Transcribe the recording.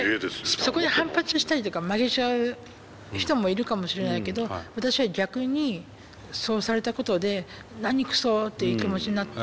そこで反発したりとか曲げちゃう人もいるかもしれないけど私は逆にそうされたことで何くそ！っていう気持ちになって。